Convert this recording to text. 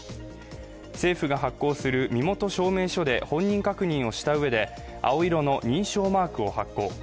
政府が発行する身元証明書で、本人確認をしたうえで青色の認証マークを発行。